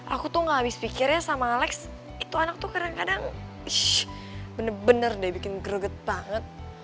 aku tuh gak habis pikirnya sama alex itu anak tuh kadang kadang ish bener bener deh bikin greget banget